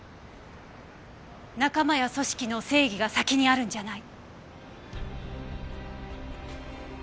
仲間や組織の正義が先にあるんじゃない。